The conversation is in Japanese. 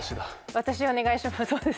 私お願いします。